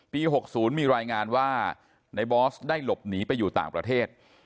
๖๐มีรายงานว่าในบอสได้หลบหนีไปอยู่ต่างประเทศ